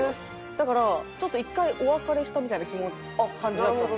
だから一回お別れしたみたいな感じだったんですよね。